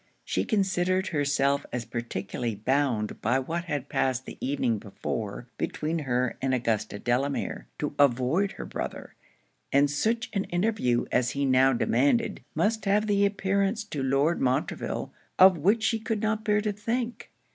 She considered herself as particularly bound by what had passed the evening before between her and Augusta Delamere, to avoid her brother; and such an interview as he now demanded must have an appearance to Lord Montreville of which she could not bear to think.